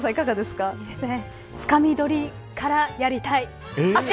つかみ取りからやりたい。